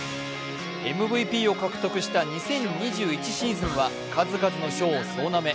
ＭＶＰを獲得した２０２１シーズンは数々の賞を総なめ。